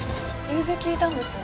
ゆうべ聞いたんです。